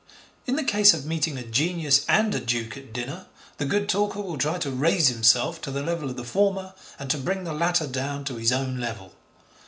In the case of meeting a genius and a Duke at dinner, the good talker will try to raise himself to the level of the former and to bring the latter down to his own level.